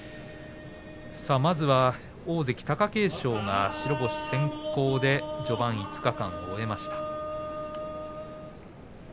まずは大関貴景勝白星先行で序盤５日間を終えました。